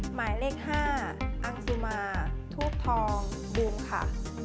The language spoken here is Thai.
หมายเลข๕อังสุมาทูบทองบูมค่ะ